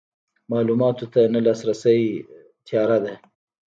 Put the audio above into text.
معلوماتو ته نه لاسرسی تیاره ده.